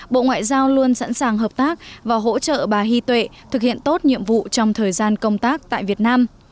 bộ ngoại giao luôn sẵn sàng hợp tác và hỗ trợ bà hy tuệ thực hiện tốt nhiệm vụ trong thời gian công tác tại việt nam